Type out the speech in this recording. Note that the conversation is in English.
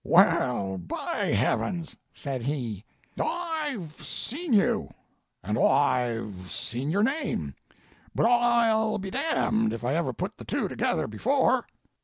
'Well, by Heavens,' said he, 'Ol've seen you, and Ol've seen your name, but Ol'll be damned if I ever put the two together before!'